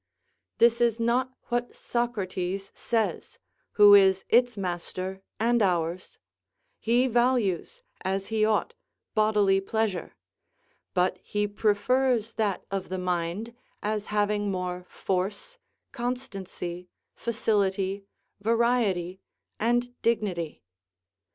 This is not what Socrates says, who is its master and ours: he values, as he ought, bodily pleasure; but he prefers that of the mind as having more force, constancy, facility, variety, and dignity.